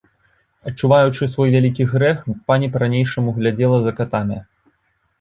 Адчуваючы свой вялікі грэх, пані па-ранейшаму глядзела за катамі.